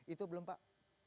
itu belum pak